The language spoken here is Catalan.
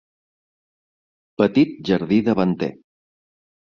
Petit jardí davanter.